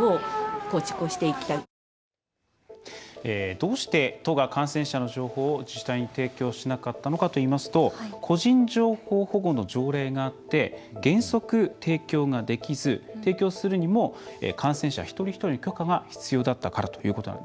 どうして都が感染者の情報を自治体に提供しなかったのかといいますと個人情報保護の条例があって原則、提供ができず提供するにも感染者一人一人の許可が必要だったからということです。